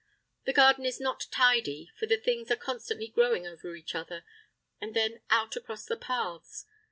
The garden is not tidy, for the things are constantly growing over each other, and then out across the paths.